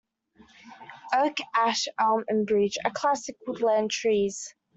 Oak, ash, elm and beech are classic woodland trees.